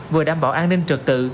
vừa đảm bảo an ninh trực tự